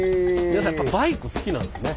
皆さんやっぱバイク好きなんですね！